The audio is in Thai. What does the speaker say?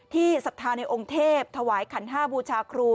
ที่ศักดิ์ฐานในองค์เทพฯถวายขันห้าบูชาครู